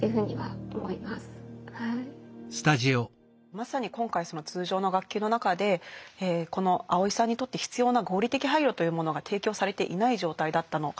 まさに今回通常の学級の中でこのアオイさんにとって必要な合理的配慮というものが提供されていない状態だったのかと思います。